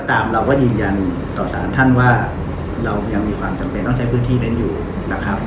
ตามเราก็ยืนยันต่อสารท่านว่าเรายังมีความจำเป็นต้องใช้พื้นที่นั้นอยู่นะครับ